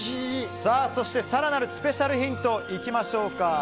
そして、更なるスペシャルヒントいきましょうか。